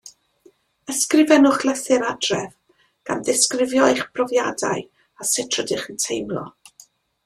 Ysgrifennwch lythyr adref, gan ddisgrifio eich brofiadau a sut rydych yn teimlo.